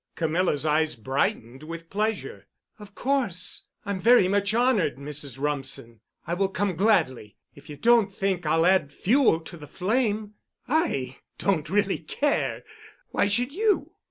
Camilla's eyes brightened with pleasure. "Of course, I'm very much honored, Mrs. Rumsen. I will come gladly, if you don't think I'll add fuel to the flame." "I don't really care. Why should you?"